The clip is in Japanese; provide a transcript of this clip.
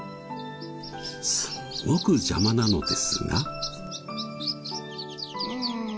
すっごく邪魔なのですが。